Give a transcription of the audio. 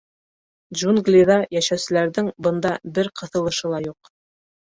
Джунглиҙа йәшәүселәрҙең бында бер ҡыҫылышы ла юҡ.